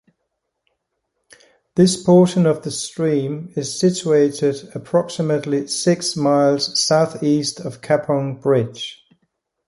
This portion of the stream is situated approximately six miles southeast of Capon Bridge.